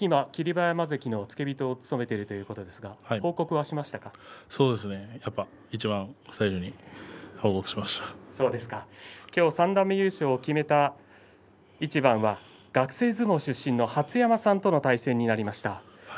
馬山関の付け人を務めているということですがそうですね三段目優勝を決めた一番は学生相撲出身の羽出山さんとの対戦となりました。